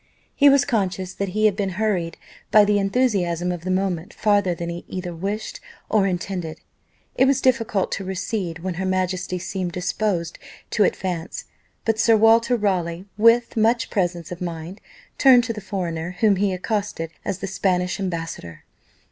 He was conscious that he had been hurried by the enthusiasm of the moment farther than he either wished or intended. It was difficult to recede, when her majesty seemed disposed to advance; but Sir Walter Raleigh, with much presence of mind, turned to the foreigner, whom he accosted as the Spanish ambassador.